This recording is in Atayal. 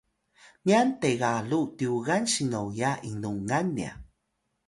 nyan tegalu tyugan sinnoya inlungan nya